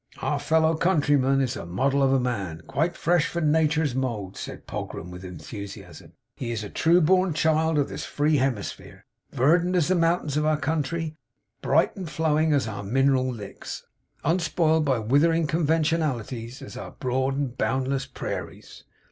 'Our fellow countryman is a model of a man, quite fresh from Natur's mould!' said Pogram, with enthusiasm. 'He is a true born child of this free hemisphere! Verdant as the mountains of our country; bright and flowing as our mineral Licks; unspiled by withering conventionalities as air our broad and boundless Perearers!